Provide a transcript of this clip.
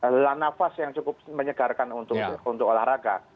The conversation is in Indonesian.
lelah nafas yang cukup menyegarkan untuk olahraga